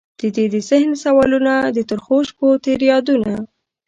ددې د ذهن سوالونه، د ترخوشپوتیر یادونه